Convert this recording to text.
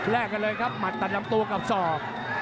กันเลยครับหมัดตัดลำตัวกับศอก